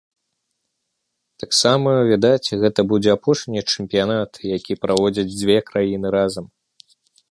Таксама, відаць, гэта будзе апошні чэмпіянат, які праводзяць дзве краіны разам.